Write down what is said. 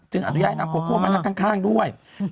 จึงอันยั้ยนำโคโก้มานั่งข้างด้วย